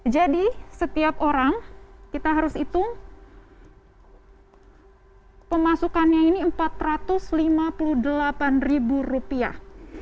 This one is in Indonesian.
jadi setiap orang kita harus hitung pemasukannya ini empat ratus lima puluh delapan ribu rupiah